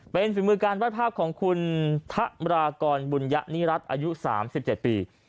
เป็นฝีมือการวาดภาพของคุณทะรากรบุญยะนิรัติอายุ๓๗ปี